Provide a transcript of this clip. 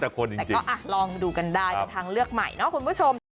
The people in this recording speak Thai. แต่ก็ลองดูกันได้เป็นทางเลือกใหม่เนาะคุณผู้ชม